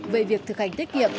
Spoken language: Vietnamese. về việc thực hành tiết kiệm